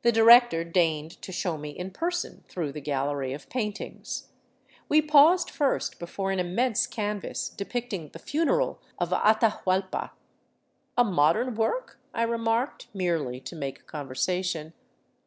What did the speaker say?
The director deigned to show me in person through the gallery of paintings. We paused first before an immense canvas depicting the funeral of Atahuallpa. "A modern work?" I remarked, merely to make conversation.